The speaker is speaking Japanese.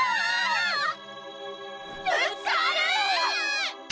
ぶつかる！